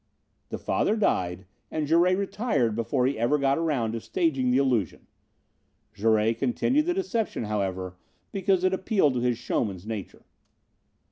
"The father died, and Jouret retired before he ever got around to staging the illusion. Jouret continued the deception, however, because it appealed to his showman's nature.